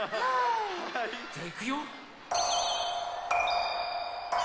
じゃあいくよ！